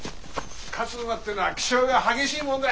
勝つ馬ってのは気性が激しいもんだ。